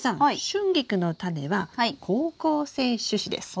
シュンギクのタネは好光性種子です。